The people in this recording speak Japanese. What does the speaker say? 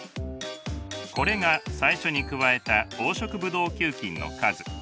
これが最初に加えた黄色ブドウ球菌の数。